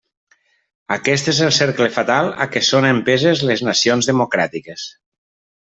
Aquest és el cercle fatal a què són empeses les nacions democràtiques.